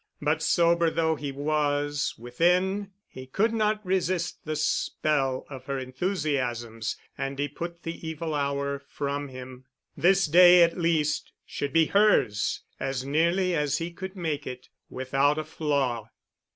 But sober though he was, within, he could not resist the spell of her enthusiasms and he put the evil hour from him. This day at least should be hers as nearly as he could make it, without a flaw.